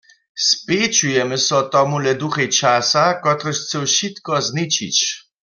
Spjećujmy so tomule duchej časa, kotryž chcył wšitko zničić.